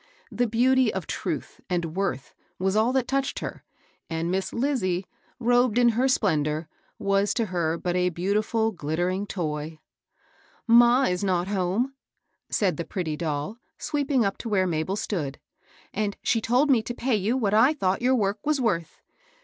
The beauty of truth and worth was all that touched her, and Miss Lizie, robed in her splendor, was to her but a beautiful, glittering toy. " Ma is not home," said the pretty doll, sweeping up to where Mabel stood, " and dcka\ft\4L\Cka\a"^^ 854 MABEL ROSS. you what I thought your work was worth.